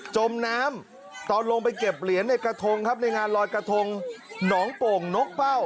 จมน้ำตอนลงไปเก็บเหรียญในกระทงครับในงานลอยกระทงหนองโป่งนกเป้า